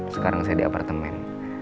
sekarang saya di apartemen